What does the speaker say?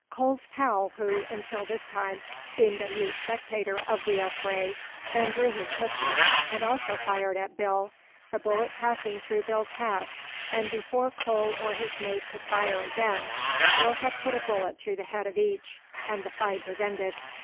Cole's pal, who, until this time, seemed a mute spectator of the affray, then drew his pistol, and also fired at Bill, the bullet passing through Bill's hat, and before Cole or his mate could fire again, Bill had put a bullet through the head of each, and the fight was ended.